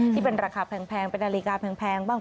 ที่เป็นราคาแพงเป็นนาฬิกาแพงบ้าง